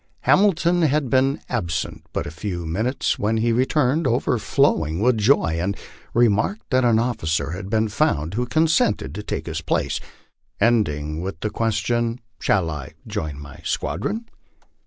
Hamilton had been absent but a few minutes when he returned overflowing with joy, and remarked that an officer had been found who consented to take his place, end ing with the question, " Shall I join my squadron?